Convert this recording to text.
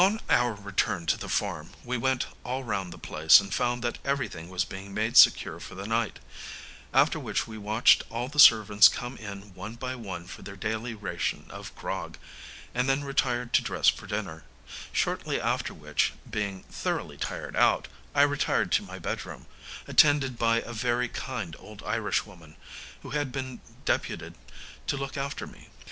On our return to the farm, we went all round the place, and found that everything was being made secure for the night; after which we watched all the servants come in one by one for their daily ration of grog, and then retired to dress for dinner, shortly after which, being thoroughly tired out, I retired to my bed room, attended by a very kind old Irishwoman, who had been deputed to look after me.